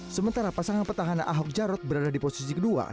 sementara pasangan petahana ahok jarot berada di posisi kedua